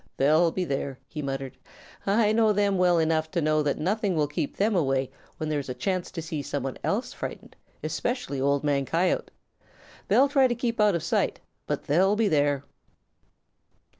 "They'll be there," he muttered. "I know them well enough to know that nothing would keep them away when there is a chance to see some one else frightened, especially Old Man Coyote. They'll try to keep out of sight, but they'll be there."